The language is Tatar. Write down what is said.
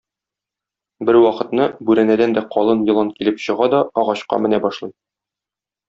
Бервакытны бүрәнәдән дә калын елан килеп чыга да агачка менә башлый.